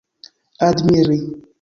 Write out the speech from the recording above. admiri